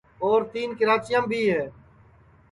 اور تین کراچیام بھی ہے